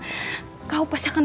mama aku pasti ke sini